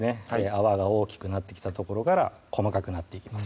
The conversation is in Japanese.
泡が大きくなってきたところから細かくなっていきます